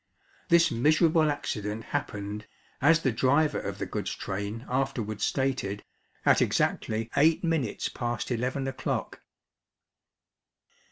This miserable accident happened, as the driver of the goods train afterwards stated, at exactly eight minutes past eleven o'clock.